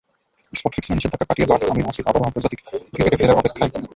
Spot ফিক্সিংয়ের নিষেধাজ্ঞা কাটিয়ে বাট, আমির, আসিফ আবারও আন্তর্জাতিক ক্রিকেটে ফেরার অপেক্ষায়।